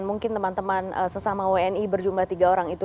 mungkin teman teman sesama wni berjumlah tiga orang itu